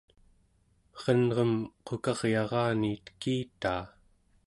erenrem qukaryarani tekitaa